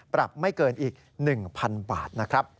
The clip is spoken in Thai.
ปรับไม่เกินอีก๑๐๐๐บาท